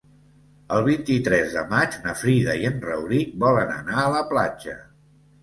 El vint-i-tres de maig na Frida i en Rauric volen anar a la platja.